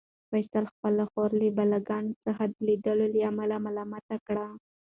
فیصل خپله خور له بالکن څخه د لیدلو له امله ملامته کړه.